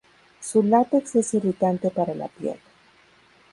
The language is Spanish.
Su látex es irritante para la piel.